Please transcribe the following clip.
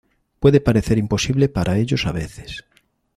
Puede parecer imposible para ellos a veces.